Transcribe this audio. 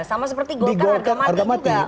sama seperti golkar harga mati juga